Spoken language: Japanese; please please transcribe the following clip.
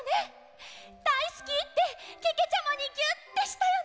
「だいすき」ってけけちゃまにギュってしたよね！